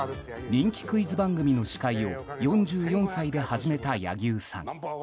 人気クイズ番組の司会を４４歳で始めた柳生さん。